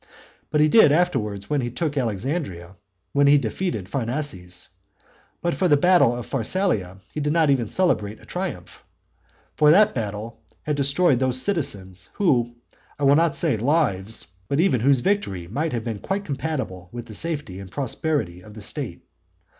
But he did afterwards when he took Alexandria; when he defeated Pharnaces; but for the battle of Pharsalia he did not even celebrate a triumph. For that battle had destroyed those citizens whose, I will not say lives, but even whose victory might have been quite compatible with the safety and prosperity of the state.